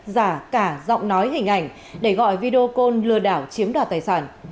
giả cả giọng nói hình ảnh để gọi video call lừa đảo chiếm đoạt tài sản